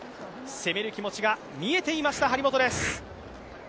攻める気持ちが見えていました、張本です。